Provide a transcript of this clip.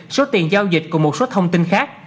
số tiền giao dịch cùng một số thông tin khác